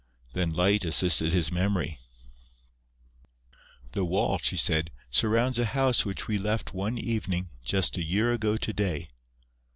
Then Light assisted his memory: "The wall," she said, "surrounds a house which we left one evening just a year ago to day...."